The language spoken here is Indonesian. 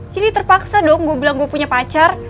terpaksa dong gue bilang gue punya pacar